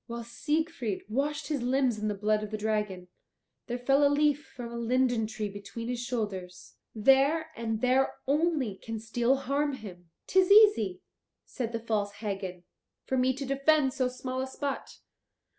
While Siegfried washed his limbs in the blood of the dragon, there fell a leaf from a linden tree between his shoulders. There and there only can steel harm him." "'Tis easy," said the false Hagen, "for me to defend so small a spot.